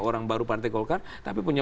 orang baru partai golkar tapi punya